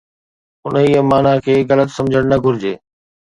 انهيءَ معنيٰ کي غلط سمجهڻ نه گهرجي.